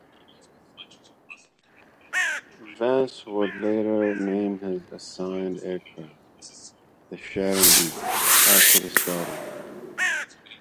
Vance would later name his assigned aircraft "The Sharon D." after his daughter.